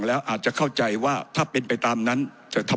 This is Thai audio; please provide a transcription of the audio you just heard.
ผมจะขออนุญาตให้ท่านอาจารย์วิทยุซึ่งรู้เรื่องกฎหมายดีเป็นผู้ชี้แจงนะครับ